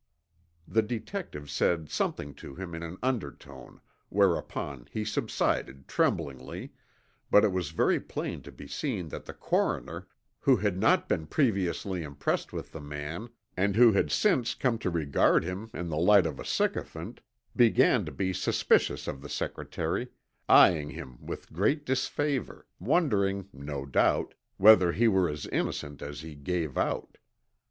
The detective said something to him in an undertone, whereupon he subsided tremblingly, but it was very plain to be seen that the coroner, who had not been previously impressed with the man and who had since come to regard him in the light of a sycophant, began to be suspicious of the secretary, eyeing him with great disfavor, wondering, no doubt, whether he were as innocent as he gave out.